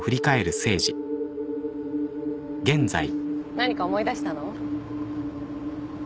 何か思い出したの？